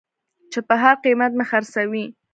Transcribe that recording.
چې په هر قېمت مې خرڅوې.